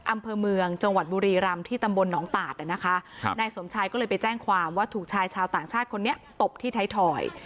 อำเภอเมืองจังหวัดบุรีรำที่ตำบลหนองตาดนะคะครับนายสมชายก็เลยไปแจ้งความว่าถูกชายชาวต่างชาติคนนี้ตบที่ไทยถอย